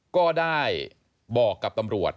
ก็ได้บอกกับตำรวจ